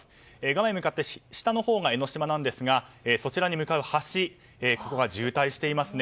画面向かって下のほうが江の島なんですがそちらに向かう橋が渋滞しています。